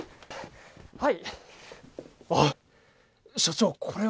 はい。